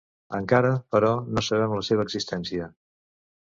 Encara, però, no sabem la seva existència.